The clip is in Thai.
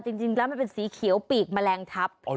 จริงแล้วมันเป็นสีเขียวปีกแมลงทัพ